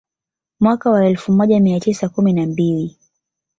Mwaka wa elfu moja mia tisa kumi na mbili